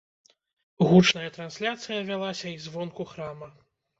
Гучная трансляцыя вялася і звонку храма.